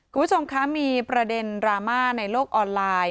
คุณผู้ชมคะมีประเด็นดราม่าในโลกออนไลน์